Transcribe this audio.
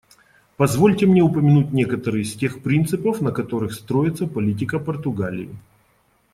Позвольте мне упомянуть некоторые из тех принципов, на которых строится политика Португалии.